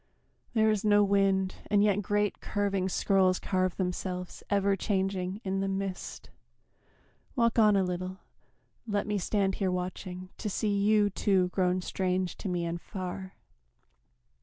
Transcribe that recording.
There is no wind, and yet great curving scrolls Carve themselves, ever changing, in the mist. Walk on a little, let me stand here watching To see you, too, grown strange to me and far.